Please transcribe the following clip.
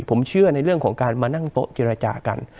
ผมเชื่อในเรื่องของการมานั่งโต๊ะเจรจากัน